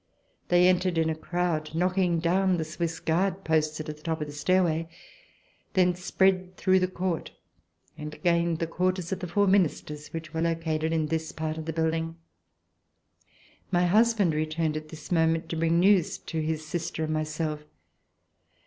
They entered in a crowd, knock ing down the Swiss guard posted at the top of the stairway, then spread through the court and gained the quarters of the four Ministers which were located in this part of the building. My husband returned at this moment to bring news to his sister and myself.